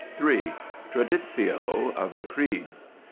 Traditio " of the Creed.